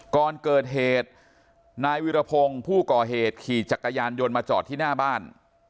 ก่อนเกิดเหตุนายวิรพงศ์ผู้ก่อเหตุขี่จักรยานยนต์มาจอดที่หน้าบ้าน